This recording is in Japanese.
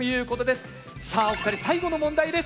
さあお二人最後の問題です。